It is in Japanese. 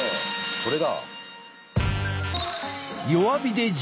それだ。